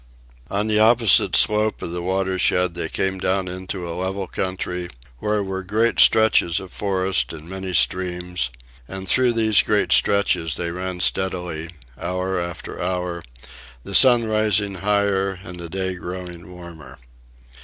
On the opposite slope of the watershed they came down into a level country where were great stretches of forest and many streams, and through these great stretches they ran steadily, hour after hour, the sun rising higher and the day growing warmer.